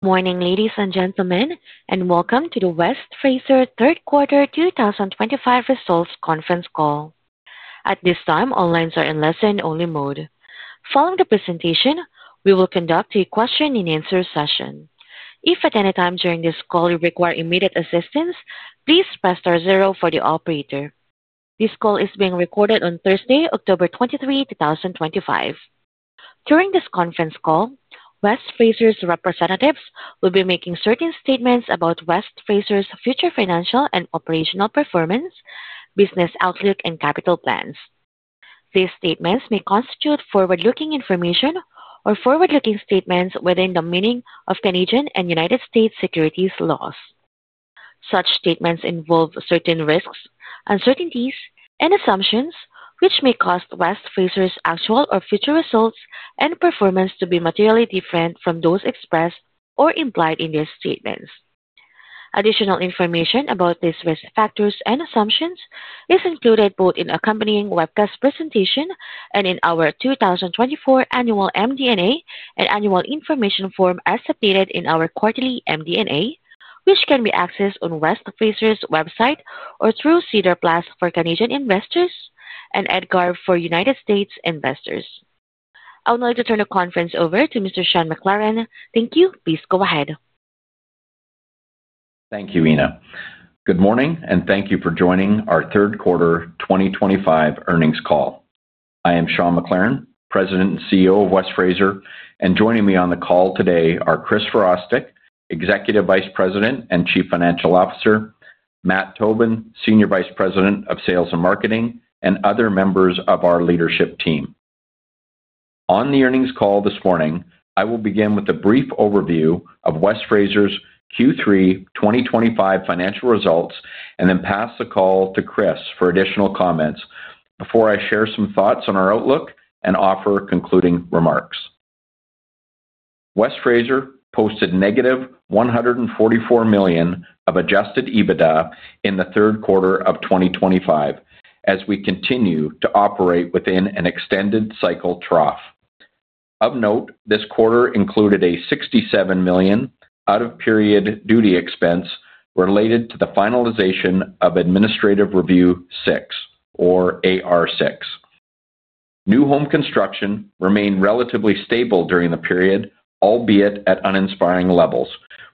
Morning, ladies and gentlemen, and the West Fraser third quarter 2025 results conference call. At this time, all lines are in listen-only mode. Following the presentation, we will conduct a question-and-answer session. If at any time during this call you require immediate assistance, please press star zero for the operator. This call is being recorded on Thursday, October 23, 2025. During this conference call, West Fraser's representatives will be making West Fraser's future financial and operational performance, business outlook, and capital plans. These statements may constitute forward-looking information or forward-looking statements within the meaning of Canadian and U.S. securities laws. Such statements involve certain risks, uncertainties, and assumptions, West Fraser's actual or future results and performance to be materially different from those expressed or implied in their statements. Additional information about these risk factors and assumptions is included both in the accompanying webcast presentation and in our 2024 Annual MD&A and Annual Information Form as submitted in our quarterly MD&A, which can West Fraser's website or through SEDAR+ for Canadian investors and EDGAR for U.S. investors. I would like to turn the conference over to Mr. Sean McLaren. Thank you. Please go ahead. Thank you, Ena. Good morning, and thank you for joining our third quarter 2025 earnings call. I am Sean McLaren, President West Fraser, and joining me on the call today are Chris Virostek, Executive Vice President and Chief Financial Officer; Matt Tobin, Senior Vice President of Sales and Marketing; and other members of our leadership team. On the earnings call this morning, I will begin with a brief overview of West Fraser's Q3 2025 financial results and then pass the call to Chris for additional comments before I share some thoughts on our outlook and remarks. West Fraser posted -$144 million of adjusted EBITDA in the third quarter of 2025, as we continue to operate within an extended cycle trough. Of note, this quarter included a $67 million out-of-period duty expense related to the finalization of Administrative Review 6, or AR6. New home construction remained relatively stable during the period, albeit at uninspiring levels,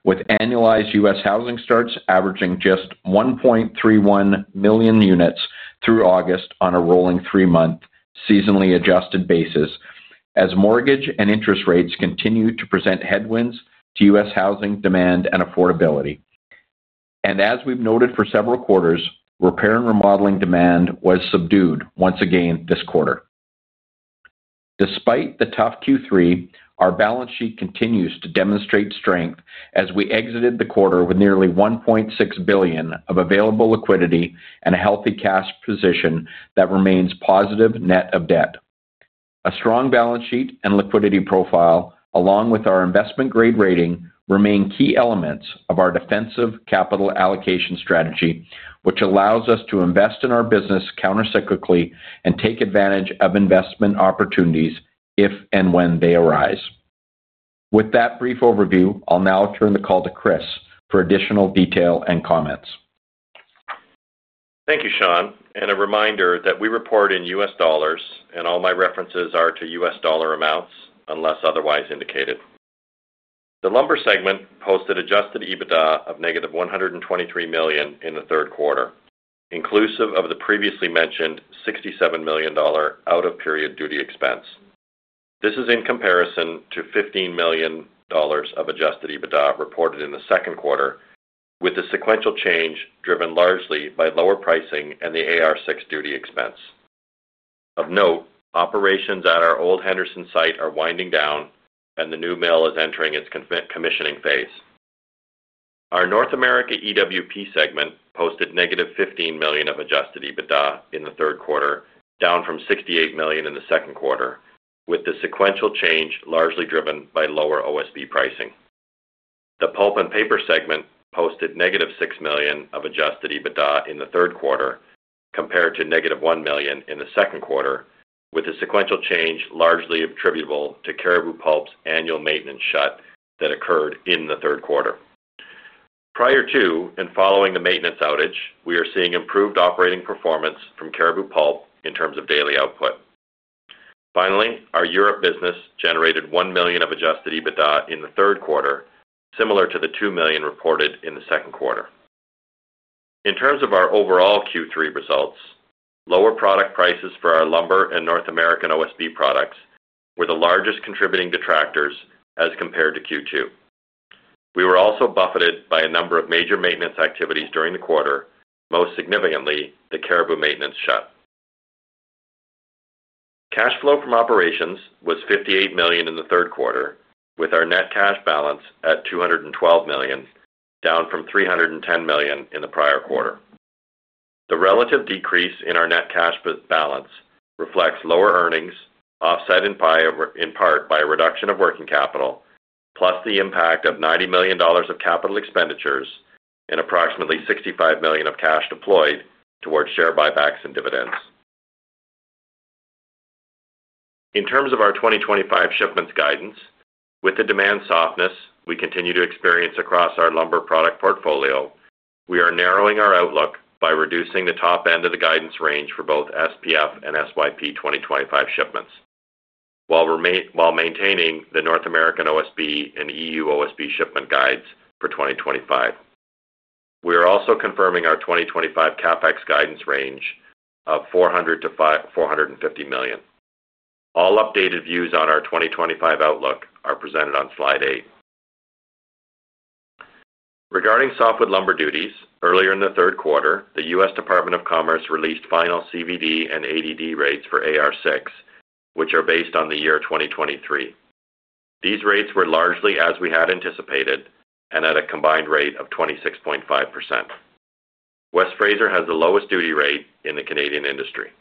with annualized U.S. housing starts averaging just 1.31 million units through August on a rolling three-month seasonally adjusted basis, as mortgage and interest rates continue to present headwinds to U.S. housing demand and affordability. As we've noted for several quarters, repair and remodeling demand was subdued once again this quarter. Despite the tough Q3, our balance sheet continues to demonstrate strength as we exited the quarter with nearly $1.6 billion of available liquidity and a healthy cash position that remains positive net of debt. A strong balance sheet and liquidity profile, along with our investment-grade rating, remain key elements of our defensive capital allocation strategy, which allows us to invest in our business countercyclically and take advantage of investment opportunities if and when they arise. With that brief overview, I'll now turn the call to Chris for additional detail and comments. Thank you, Sean, and a reminder that we report in US dollars, and all my references are to US dollar amounts unless otherwise indicated. The lumber segment posted adjusted EBITDA of -$123 million in the third quarter, inclusive of the previously mentioned $67 million out-of-period duty expense. This is in comparison to $15 million of adjusted EBITDA reported in the second quarter, with the sequential change driven largely by lower pricing and the AR6 duty expense. Of note, operations at our old Henderson site are winding down, and the new mill is entering its commissioning phase. Our North America EWP segment posted -$15 million of adjusted EBITDA in the third quarter, down from $68 million in the second quarter, with the sequential change largely driven by lower OSB pricing. The pulp and paper segment posted -$6 million of adjusted EBITDA in the third quarter, compared to -$1 million in the second quarter, with the sequential change largely attributable to Cariboo Pulp's annual maintenance shutdown that occurred in the third quarter. Prior to and following the maintenance outage, we are seeing improved operating performance from Cariboo Pulp in terms of daily output. Finally, our Europe business generated $1 million of adjusted EBITDA in the third quarter, similar to the $2 million reported in the second quarter. In terms of our overall Q3 results, lower product prices for our lumber and North American OSB products were the largest contributing detractors as compared to Q2. We were also buffeted by a number of major maintenance activities during the quarter, most significantly the Cariboo maintenance shutdown. Cash flow from operations was $58 million in the third quarter, with our net cash balance at $212 million, down from $310 million in the prior quarter. The relative decrease in our net cash balance reflects lower earnings, offset in part by a reduction of working capital, plus the impact of $90 million of capital expenditures and approximately $65 million of cash deployed towards share buybacks and dividends. In terms of our 2025 shipments guidance, with the demand softness we continue to experience across our lumber product portfolio, we are narrowing our outlook by reducing the top end of the guidance range for both SPF and SYP 2025 shipments, while maintaining the North American OSB and EU OSB shipment guides for 2025. We are also confirming our 2025 capital expenditure guidance range of $400 million-$450 million. All updated views on our 2025 outlook are presented on slide 8. Regarding softwood lumber duties, earlier in the third quarter, the U.S. Department of Commerce released final CVD and ADD rates for AR6, which are based on the year 2023. These rates were largely as we had anticipated and at a combined rate of 26.5%. West Fraser has the lowest duty rate in the Canadian industry.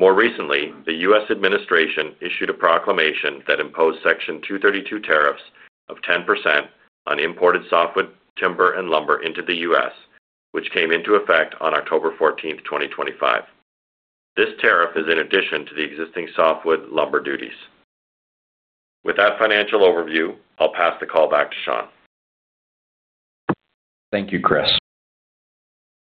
More recently, the U.S. administration issued a proclamation that imposed Section 232 tariffs of 10% on imported softwood timber and lumber into the U.S., which came into effect on October 14th, 2025. This tariff is in addition to the existing softwood lumber duties. With that financial overview, I'll pass the call back to Sean. Thank you, Chris.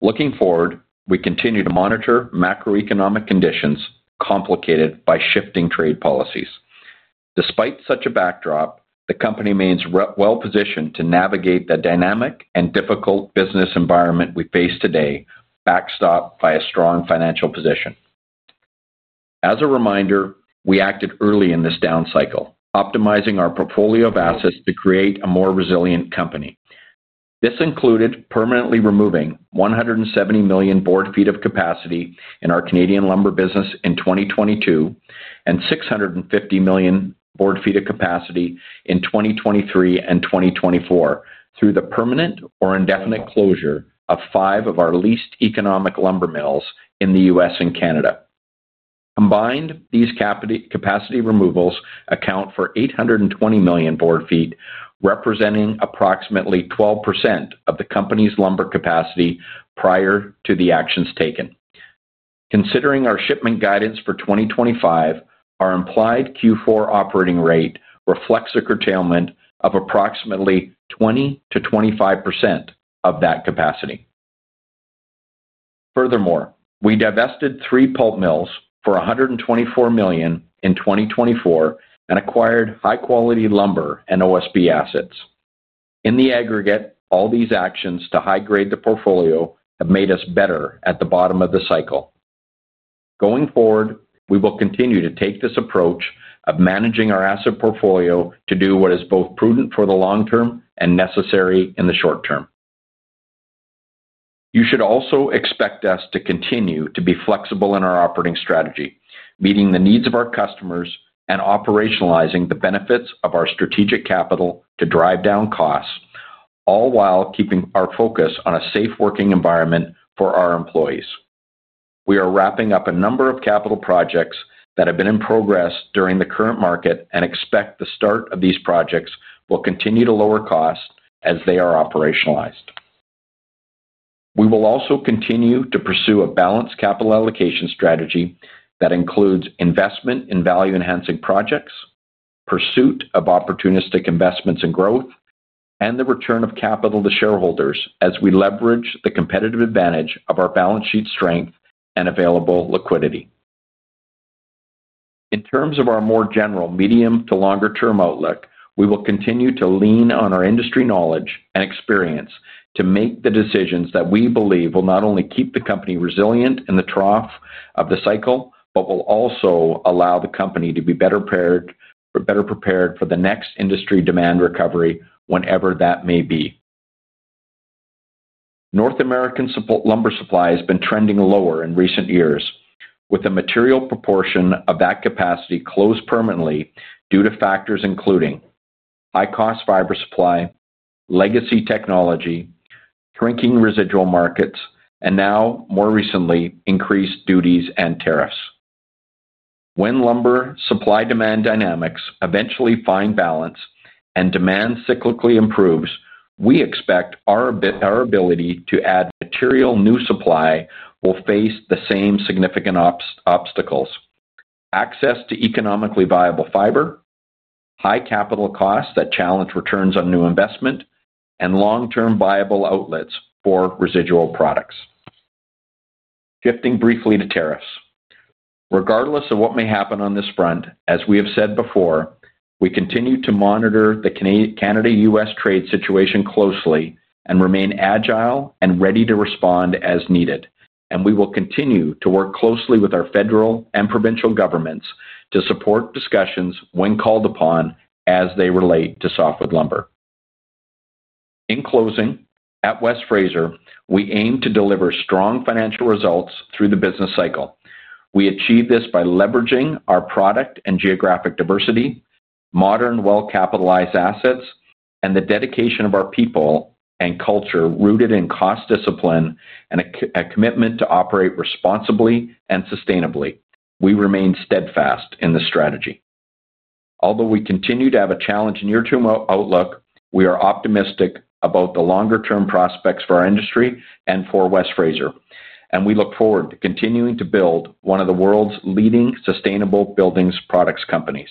Looking forward, we continue to monitor macroeconomic conditions complicated by shifting trade policies. Despite such a backdrop, the company remains well-positioned to navigate the dynamic and difficult business environment we face today, backstopped by a strong financial position. As a reminder, we acted early in this down cycle, optimizing our portfolio of assets to create a more resilient company. This included permanently removing 170 million board feet of capacity in our Canadian lumber business in 2022 and 650 million board feet of capacity in 2023 and 2024 through the permanent or indefinite closure of five of our least economic lumber mills in the U.S. and Canada. Combined, these capacity removals account for 820 million board feet, representing approximately 12% of the company's lumber capacity prior to the actions taken. Considering our shipment guidance for 2025, our implied Q4 operating rate reflects a curtailment of approximately 20%-25% of that capacity. Furthermore, we divested three pulp mills for $124 million in 2024 and acquired high-quality lumber and OSB assets. In the aggregate, all these actions to high-grade the portfolio have made us better at the bottom of the cycle. Going forward, we will continue to take this approach of managing our asset portfolio to do what is both prudent for the long term and necessary in the short term. You should also expect us to continue to be flexible in our operating strategy, meeting the needs of our customers and operationalizing the benefits of our strategic capital to drive down costs, all while keeping our focus on a safe working environment for our employees. We are wrapping up a number of capital projects that have been in progress during the current market and expect the start of these projects will continue to lower costs as they are operationalized. We will also continue to pursue a balanced capital allocation strategy that includes investment in value-enhancing projects, pursuit of opportunistic investments and growth, and the return of capital to shareholders as we leverage the competitive advantage of our balance sheet strength and available liquidity. In terms of our more general medium to longer-term outlook, we will continue to lean on our industry knowledge and experience to make the decisions that we believe will not only keep the company resilient in the trough of the cycle, but will also allow the company to be better prepared for the next industry demand recovery, whenever that may be. North American lumber supply has been trending lower in recent years, with a material proportion of that capacity closed permanently due to factors including high-cost fiber supply, legacy technology, shrinking residual markets, and now more recently, increased duties and tariffs. When lumber supply-demand dynamics eventually find balance and demand cyclically improves, we expect our ability to add material new supply will face the same significant obstacles: access to economically viable fiber, high capital costs that challenge returns on new investment, and long-term viable outlets for residual products. Shifting briefly to tariffs. Regardless of what may happen on this front, as we have said before, we continue to monitor the Canada-U.S. trade situation closely and remain agile and ready to respond as needed. We will continue to work closely with our federal and provincial governments to support discussions when called upon as they relate to softwood lumber. In closing, at West Fraser, we aim to deliver strong financial results through the business cycle. We achieve this by leveraging our product and geographic diversity, modern, well-capitalized assets, and the dedication of our people and culture rooted in cost discipline and a commitment to operate responsibly and sustainably. We remain steadfast in this strategy. Although we continue to have a challenging year-to-year outlook, we are optimistic about the longer-term prospects for our industry and for West Fraser. We look forward to continuing to build one of the world's leading sustainable building products companies.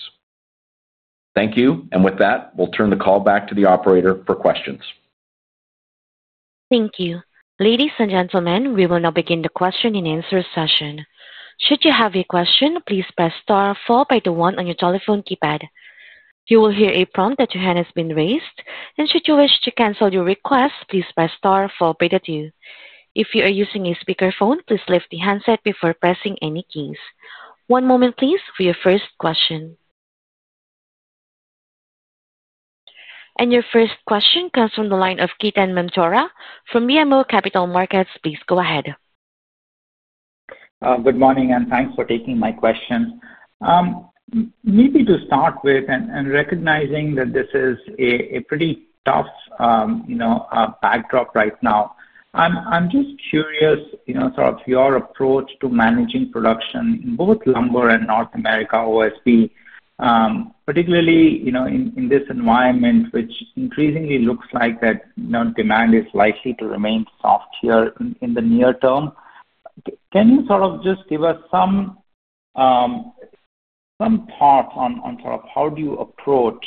Thank you. With that, we'll turn the call back to the operator for questions. Thank you. Ladies and gentlemen, we will now begin the question-and-answer session. Should you have a question, please press star four, by the one on your telephone keypad. You will hear a prompt that your hand has been raised. Should you wish to cancel your request, please press star four, by the two. If you are using a speakerphone, please lift the handset before pressing any keys. One moment, please, for your first question. Your first question comes from the line of Ketan Mamtora from BMO Capital Markets. Please go ahead. Good morning, and thanks for taking my question. Maybe to start with and recognizing that this is a pretty tough backdrop right now, I'm just curious, sort of your approach to managing production in both lumber and North America OSB. Particularly in this environment, which increasingly looks like that demand is likely to remain soft here in the near term. Can you just give us some thoughts on how you approach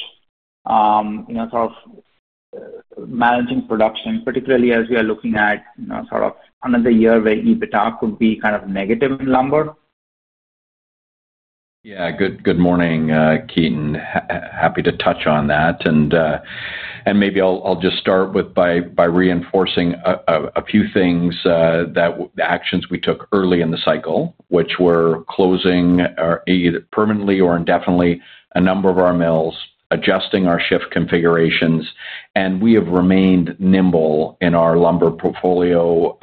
managing production, particularly as we are looking at another year where EBITDA could be kind of negative in lumber? Yeah, good morning, Ketan. Happy to touch on that. Maybe I'll just start by reinforcing a few things that the actions we took early in the cycle, which were closing either permanently or indefinitely a number of our mills, adjusting our shift configurations, and we have remained nimble in our lumber portfolio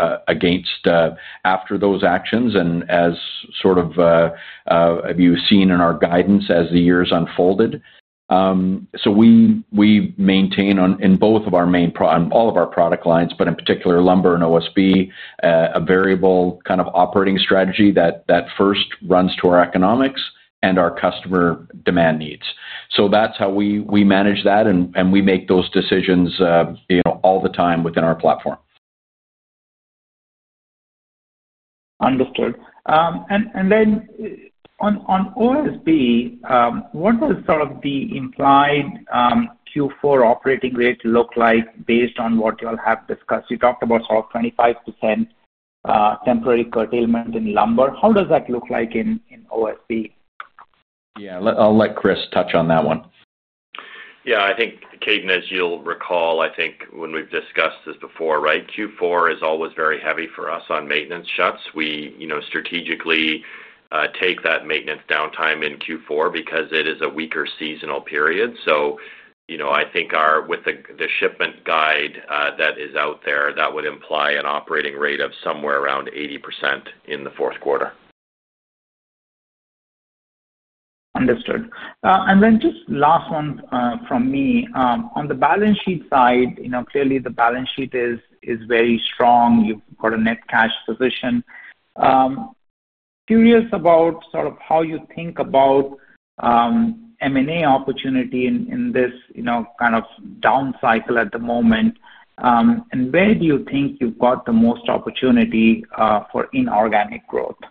after those actions as sort of you've seen in our guidance as the years unfolded. We maintain in both of our main products, all of our product lines, but in particular lumber and OSB, a variable kind of operating strategy that first runs to our economics and our customer demand needs. That's how we manage that, and we make those decisions all the time within our platform. Understood. On OSB, what does sort of the implied Q4 operating rate look like based on what you all have discussed? You talked about sort of 25% temporary curtailment in lumber. How does that look like in OSB? Yeah, I'll let Chris touch on that one. Yeah, I think, Ketan, as you'll recall, I think when we've discussed this before, Q4 is always very heavy for us on maintenance shutdowns. We strategically take that maintenance downtime in Q4 because it is a weaker seasonal period. I think with the shipment guide that is out there, that would imply an operating rate of somewhere around 80% in the fourth quarter. Understood. Just last one from me. On the balance sheet side, the balance sheet is very strong. You've got a net cash position. Curious about how you think about M&A opportunity in this kind of down cycle at the moment. Where do you think you've got the most opportunity for inorganic growth?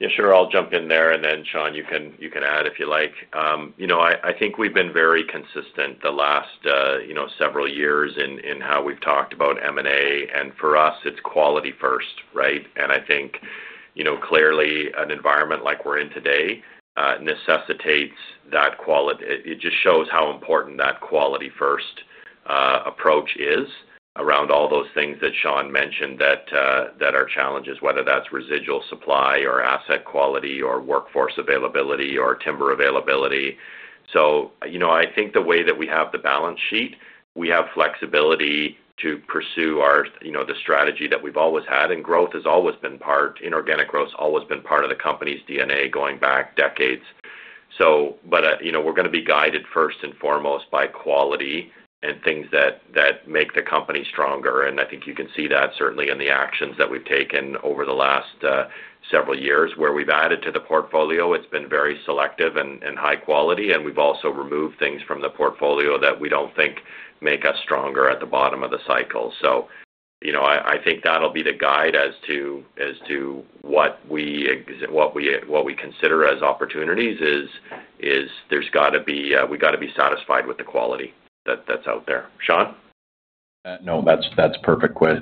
Yeah, sure, I'll jump in there. Sean, you can add if you like. I think we've been very consistent the last several years in how we've talked about M&A. For us, it's quality first, right? I think clearly an environment like we're in today necessitates that quality. It just shows how important that quality-first approach is around all those things that Sean mentioned that are challenges, whether that's residual supply or asset quality or workforce availability or timber availability. I think the way that we have the balance sheet, we have flexibility to pursue the strategy that we've always had. Growth has always been part, inorganic growth has always been part of the company's DNA going back decades. We're going to be guided first and foremost by quality and things that make the company stronger. I think you can see that certainly in the actions that we've taken over the last several years where we've added to the portfolio. It's been very selective and high quality. We've also removed things from the portfolio that we don't think make us stronger at the bottom of the cycle. I think that'll be the guide as to what we consider as opportunities is there's got to be, we got to be satisfied with the quality that's out there. Sean? No, that's perfect, Chris.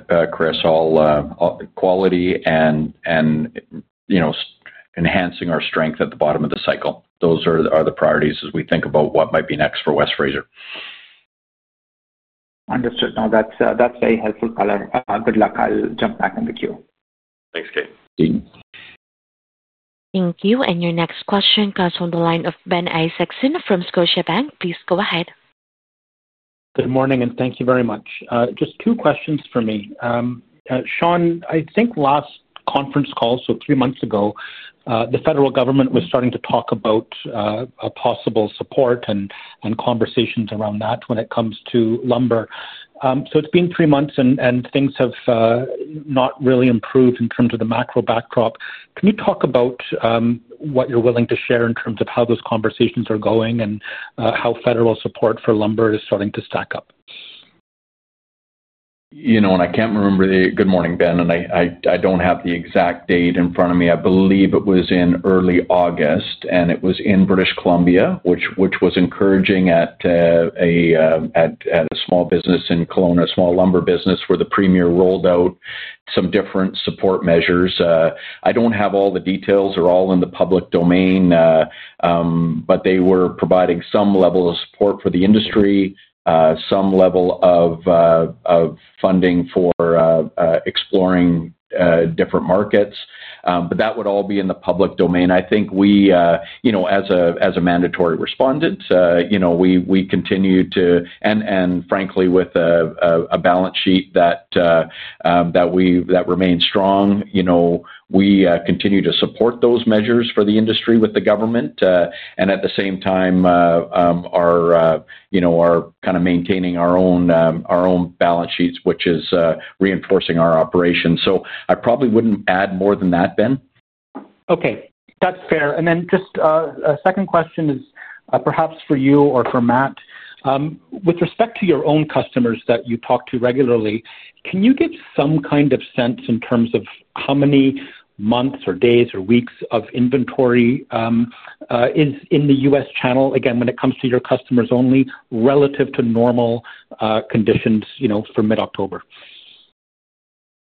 Quality and, you know, enhancing our strength at the bottom of the cycle, those are the priorities as we think about what might be next for West Fraser. Understood. No, that's a helpful color. Good luck. I'll jump back in the queue. Thanks, Ketan. Thank you. Your next question comes from the line of Ben Isaacson from Scotiabank. Please go ahead. Good morning, and thank you very much. Just two questions for me. Sean, I think last conference call, three months ago, the federal government was starting to talk about a possible support and conversations around that when it comes to lumber. It's been three months, and things have not really improved in terms of the macro backdrop. Can you talk about what you're willing to share in terms of how those conversations are going and how federal support for lumber is starting to stack up? Good morning, Ben. I don't have the exact date in front of me. I believe it was in early August, and it was in British Columbia, which was encouraging at a small business in Kelowna, a small lumber business where the Premier rolled out some different support measures. I don't have all the details. They're all in the public domain, but they were providing some level of support for the industry, some level of funding for exploring different markets. That would all be in the public domain. I think we, as a mandatory respondent, continue to, and frankly, with a balance sheet that remains strong, continue to support those measures for the industry with the government. At the same time, we are kind of maintaining our own balance sheets, which is reinforcing our operations. I probably wouldn't add more than that, Ben. Okay, that's fair. Just a second question is perhaps for you or for Matt. With respect to your own customers that you talk to regularly, can you give some kind of sense in terms of how many months or days or weeks of inventory is in the U.S. channel, again, when it comes to your customers only, relative to normal conditions, for mid-October?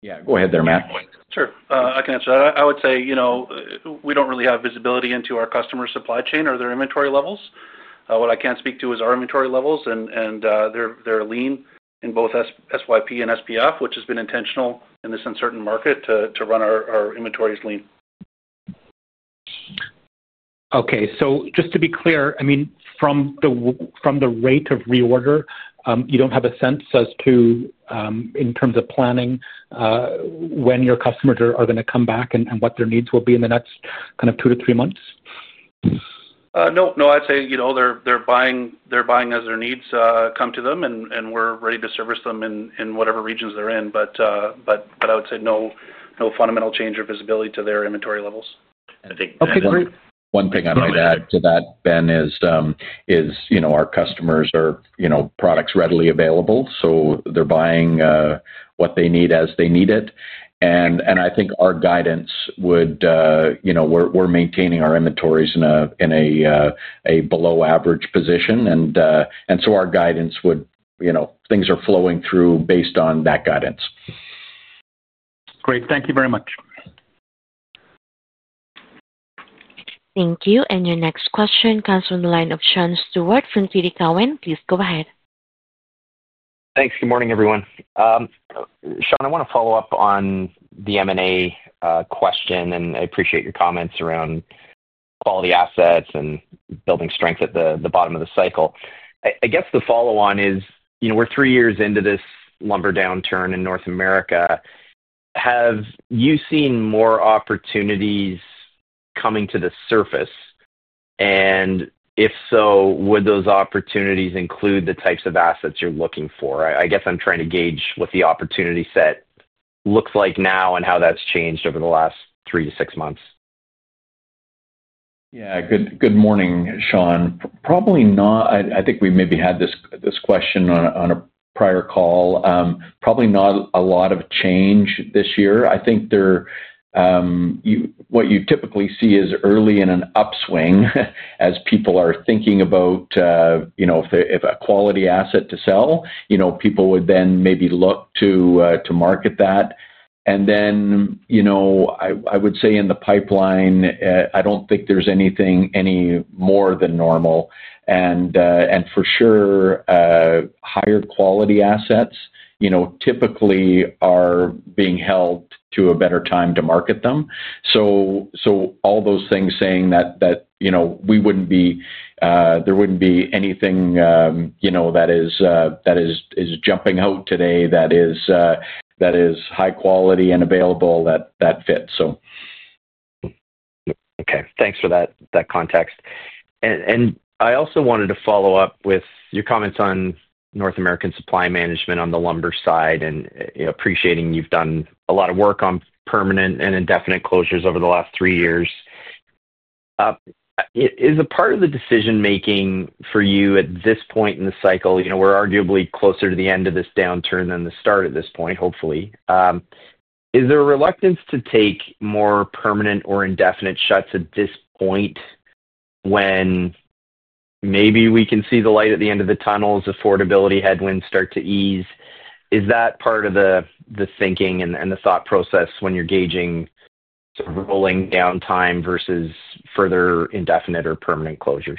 Yeah, go ahead there, Matt. Sure, I can answer that. I would say, you know, we don't really have visibility into our customer supply chain or their inventory levels. What I can speak to is our inventory levels, and they're lean in both SYP and SPF, which has been intentional in this uncertain market to run our inventories lean. Okay, just to be clear, from the rate of reorder, you don't have a sense as to, in terms of planning, when your customers are going to come back and what their needs will be in the next kind of two to three months? No, I'd say, you know, they're buying as their needs come to them, and we're ready to service them in whatever regions they're in. I would say no, no fundamental change or visibility to their inventory levels. Okay, great. One thing I might add to that, Ben, is our customers are, you know, products readily available. They're buying what they need as they need it. I think our guidance would, you know, we're maintaining our inventories in a below-average position. Our guidance would, you know, things are flowing through based on that guidance. Great, thank you very much. Thank you. Your next question comes from the line of Sean Steuart from TD Cowen. Please go ahead. Thanks. Good morning, everyone. Sean, I want to follow up on the M&A question, and I appreciate your comments around quality assets and building strength at the bottom of the cycle. I guess the follow-on is, you know, we're three years into this lumber downturn in North America. Have you seen more opportunities coming to the surface? If so, would those opportunities include the types of assets you're looking for? I guess I'm trying to gauge what the opportunity set looks like now and how that's changed over the last three to six months. Yeah, good morning, Sean. Probably not. I think we maybe had this question on a prior call. Probably not a lot of change this year. I think what you typically see is early in an upswing as people are thinking about, you know, if a quality asset to sell, people would then maybe look to market that. I would say in the pipeline, I don't think there's anything any more than normal. For sure, higher quality assets typically are being held to a better time to market them. All those things saying that, we wouldn't be, there wouldn't be anything that is jumping out today that is high quality and available that fits, so. Okay, thanks for that context. I also wanted to follow up with your comments on North American supply management on the lumber side and appreciating you've done a lot of work on permanent and indefinite closures over the last three years. Is a part of the decision-making for you at this point in the cycle, you know, we're arguably closer to the end of this downturn than the start at this point, hopefully. Is there a reluctance to take more permanent or indefinite shuts at this point when maybe we can see the light at the end of the tunnel as affordability headwinds start to ease? Is that part of the thinking and the thought process when you're gauging sort of rolling downtime versus further indefinite or permanent closures?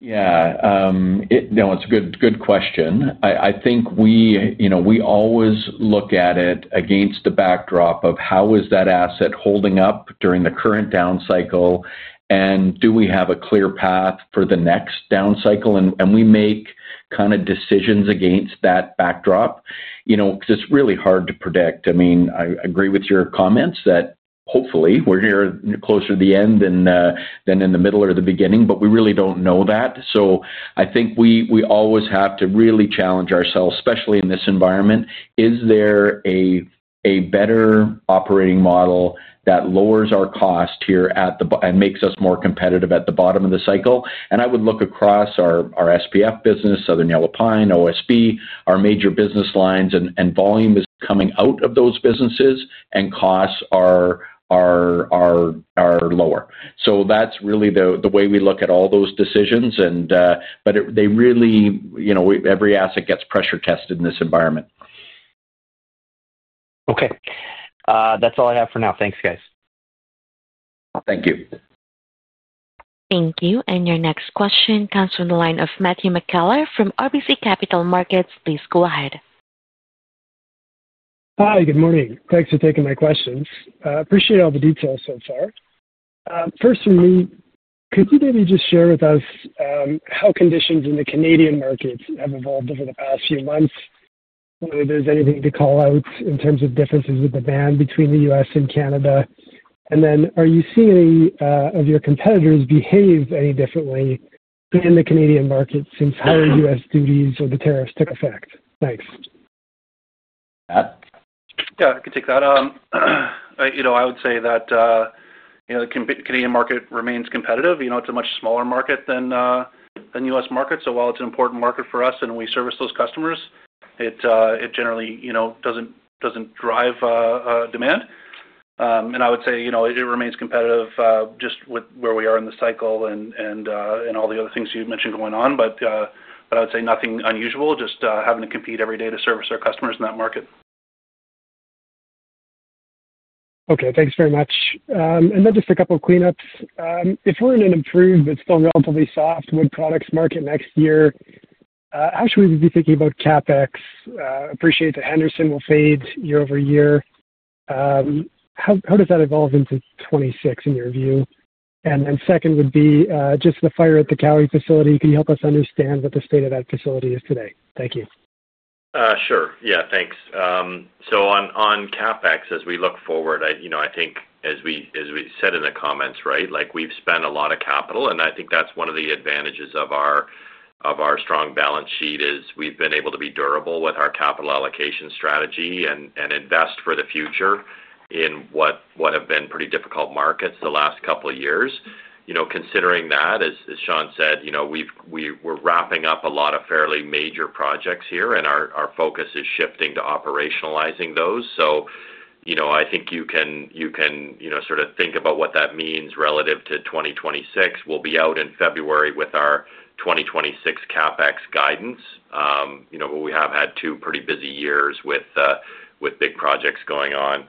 Yeah, no, it's a good question. I think we always look at it against the backdrop of how is that asset holding up during the current down cycle and do we have a clear path for the next down cycle, and we make kind of decisions against that backdrop. It's really hard to predict. I agree with your comments that hopefully we're here closer to the end than in the middle or the beginning, but we really don't know that. I think we always have to really challenge ourselves, especially in this environment. Is there a better operating model that lowers our cost here and makes us more competitive at the bottom of the cycle? I would look across our SPF business, Southern Yellow Pine, OSB, our major business lines, and volume is coming out of those businesses and costs are lower. That's really the way we look at all those decisions. Every asset gets pressure tested in this environment. Okay, that's all I have for now. Thanks, guys. Thank you. Thank you. Your next question comes from the line of Matthew McKellar from RBC Capital Markets. Please go ahead. Hi, good morning. Thanks for taking my questions. Appreciate all the details so far. First, for me, could you maybe just share with us how conditions in the Canadian markets have evolved over the past few months, whether there's anything to call out in terms of differences in demand between the U.S. and Canada? Are you seeing any of your competitors behave any differently in the Canadian market since higher U.S. duties or the tariffs took effect? Thanks. I can take that. I would say that the Canadian market remains competitive. It's a much smaller market than the U.S. market. While it's an important market for us and we service those customers, it generally doesn't drive demand. I would say it remains competitive just with where we are in the cycle and all the other things you mentioned going on. I would say nothing unusual, just having to compete every day to service our customers in that market. Okay, thanks very much. Just a couple of cleanups. If we're in an improved but still relatively soft wood products market next year, how should we be thinking about CapEx? Appreciate that Henderson will fade year-over-year. How does that evolve into 2026 in your view? The second would be just the fire at the Cowie facility. Could you help us understand what the state of that facility is today? Thank you. Sure, yeah, thanks. On capital expenditures, as we look forward, I think as we said in the comments, we've spent a lot of capital. I think that's one of the advantages of our strong balance sheet, as we've been able to be durable with our capital allocation strategy and invest for the future in what have been pretty difficult markets the last couple of years. Considering that, as Sean said, we're wrapping up a lot of fairly major projects here, and our focus is shifting to operationalizing those. You can sort of think about what that means relative to 2026. We'll be out in February with our 2026 CapEx guidance. We have had two pretty busy years with big projects going on.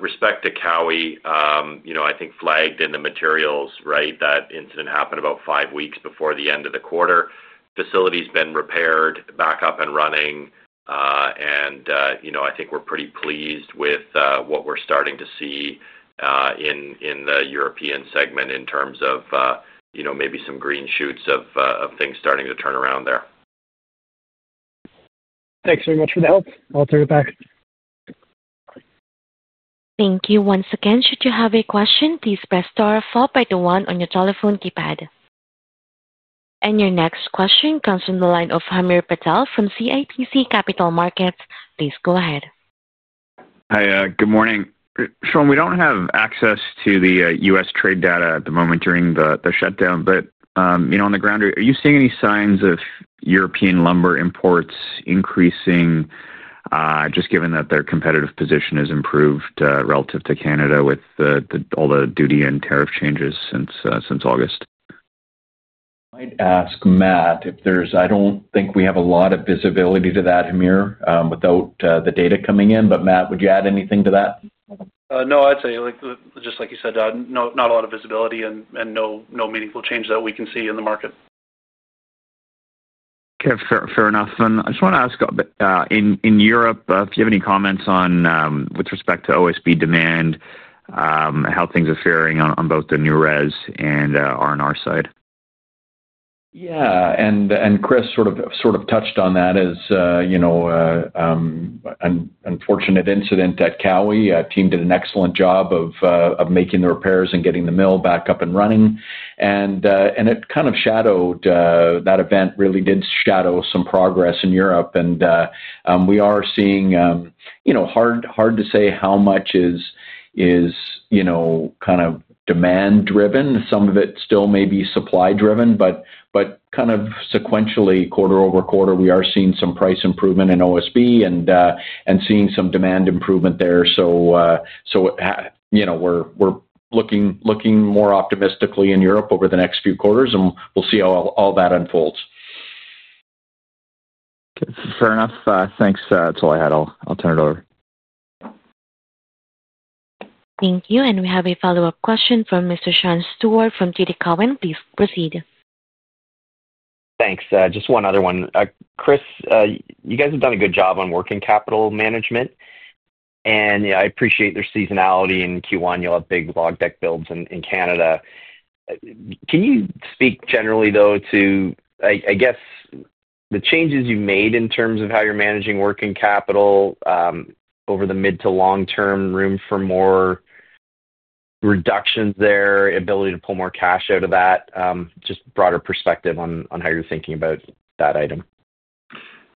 With respect to Cowie, I think we flagged in the materials that the incident happened about five weeks before the end of the quarter. The facility's been repaired, back up and running. I think we're pretty pleased with what we're starting to see in the European segment in terms of maybe some green shoots of things starting to turn around there. Thanks very much for the help. I'll turn it back. Thank you once again. Should you have a question, please press star four, by the one on your telephone keypad. Your next question comes from the line of Hamir Patel from CIBC Capital Markets. Please go ahead. Hi, good morning. Sean, we don't have access to the U.S. trade data at the moment during the shutdown. On the ground, are you seeing any signs of European lumber imports increasing, just given that their competitive position has improved relative to Canada with all the duty and tariff changes since August? I'd ask Matt if there's, I don't think we have a lot of visibility to that, Hamir, without the data coming in. Matt, would you add anything to that? No, I'd say just like you said, not a lot of visibility and no meaningful change that we can see in the market. Okay, fair enough. I just want to ask in Europe if you have any comments on, with respect to OSB demand, how things are faring on both the new res and R&R side? Yeah, Chris sort of touched on that as, you know, an unfortunate incident at Cowie. A team did an excellent job of making the repairs and getting the mill back up and running. It kind of shadowed, that event really did shadow some progress in Europe. We are seeing, you know, hard to say how much is, you know, kind of demand-driven. Some of it still may be supply-driven. Kind of sequentially, quarter-over-quarter, we are seeing some price improvement in OSB and seeing some demand improvement there. You know, we're looking more optimistically in Europe over the next few quarters, and we'll see how all that unfolds. Fair enough. Thanks. That's all I had. I'll turn it over. Thank you. We have a follow-up question from Mr. Sean Steuart from TD Cowen. Please proceed. Thanks. Just one other one. Chris, you guys have done a good job on working capital management. I appreciate there's seasonality in Q1. You'll have big log deck builds in Canada. Can you speak generally to, I guess, the changes you've made in terms of how you're managing working capital over the mid to long term, room for more reductions there, ability to pull more cash out of that, just a broader perspective on how you're thinking about that item?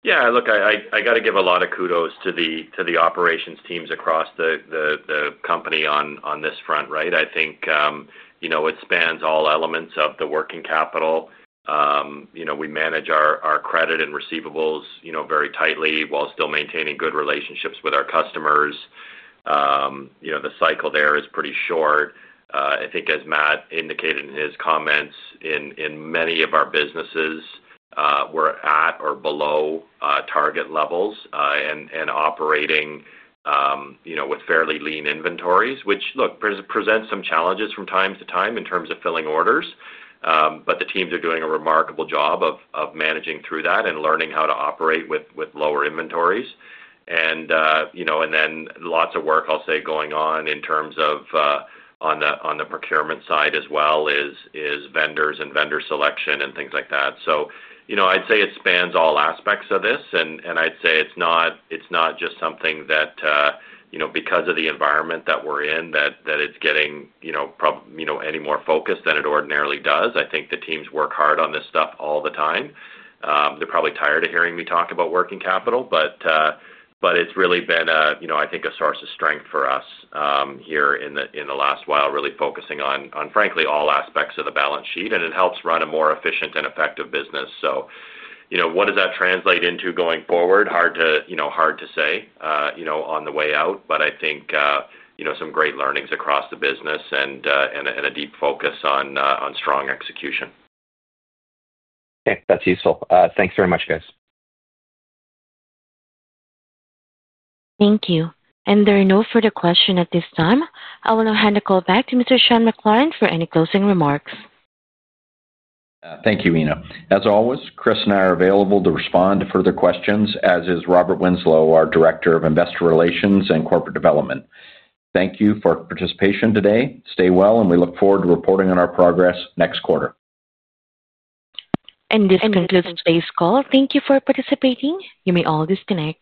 Yeah, look, I got to give a lot of kudos to the operations teams across the company on this front, right? I think it spans all elements of the working capital. We manage our credit and receivables very tightly while still maintaining good relationships with our customers. The cycle there is pretty short. I think, as Matt indicated in his comments, in many of our businesses, we're at or below target levels and operating with fairly lean inventories, which presents some challenges from time to time in terms of filling orders. The teams are doing a remarkable job of managing through that and learning how to operate with lower inventories. Then lots of work, I'll say, going on in terms of on the procurement side as well is vendors and vendor selection and things like that. I'd say it spans all aspects of this. I'd say it's not just something that, because of the environment that we're in, that it's getting any more focused than it ordinarily does. I think the teams work hard on this stuff all the time. They're probably tired of hearing me talk about working capital. It's really been, I think, a source of strength for us here in the last while, really focusing on, frankly, all aspects of the balance sheet. It helps run a more efficient and effective business. What does that translate into going forward? Hard to say on the way out. I think some great learnings across the business and a deep focus on strong execution. Okay, that's useful. Thanks very much, guys. Thank you. There are no further questions at this time. I will now hand the call back to Mr. Sean McLaren for any closing remarks. Thank you, Ena. As always, Chris and I are available to respond to further questions, as is Robert Winslow, our Director of Investor Relations and Corporate Development. Thank you for your participation today. Stay well, and we look forward to reporting on our progress next quarter. This concludes today's call. Thank you for participating. You may all disconnect.